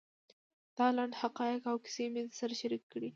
دا لنډ حقایق او کیسې مې در سره شریکې کړې.